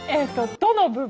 どの部分。